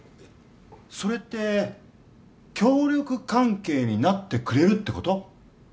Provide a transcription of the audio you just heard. それって協力関係になってくれるってこと？